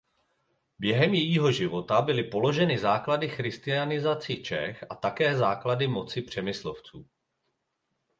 Během jejího života byly položeny základy ke christianizaci Čech a také základy moci Přemyslovců.